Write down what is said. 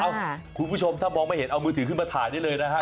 คุณผู้ชมถ้ามองไม่เห็นเอามือถือขึ้นมาถ่ายได้เลยนะฮะ